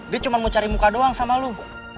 dia cuma mau cari muka doang sama lu